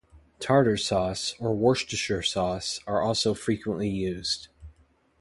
Tartar sauce or Worcestershire sauce are also frequently used.